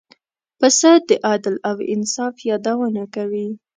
پسه د عدل او انصاف یادونه کوي.